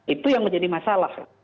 itu yang menjadi masalah